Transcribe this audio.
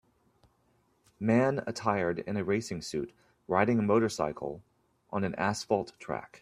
Man attired in racing suit, riding a motorcycle on an asphalt track.